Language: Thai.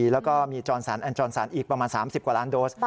แล้วก็มีจรสันแอนจรสันอีกประมาณ๓๐กว่าล้านโดส